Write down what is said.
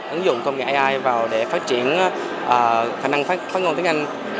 ứng dụng công nghệ ai vào để phát triển khả năng phát ngôn tiếng anh